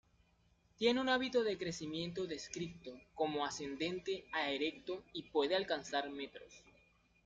Tiene un hábito de crecimiento descripto como ascendente a erecto y puede alcanzar metros.